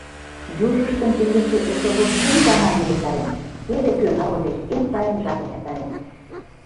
Южыштым теҥгече эсогыл кум ганат мугыртарен: теве кӧ моло деч «эн сайын» жапым эртарен!